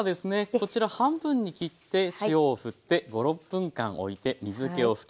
こちら半分に切って塩をふって５６分間おいて水けを拭きます。